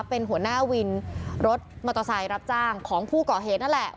เป็นหัวหน้าวินรถมอเตอร์ไซค์รับจ้างของผู้ก่อเหตุนั่นแหละ